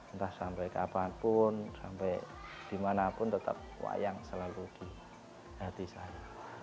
entah sampai kapanpun sampai dimanapun tetap wayang selalu di hati saya